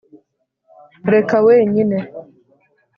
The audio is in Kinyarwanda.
reka wenyine